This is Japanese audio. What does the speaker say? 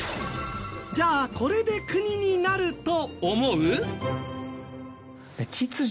じゃあこれで国になると思う？